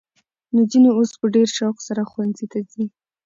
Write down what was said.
نجونې اوس په ډېر شوق سره ښوونځي ته ځي.